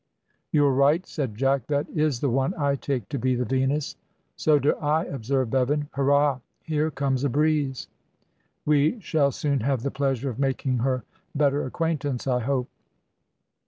"You are right," said Jack. "That is the one I take to be the Venus." "So do I," observed Bevan. "Hurrah! here comes a breeze. We shall soon have the pleasure of making her better acquaintance, I hope!"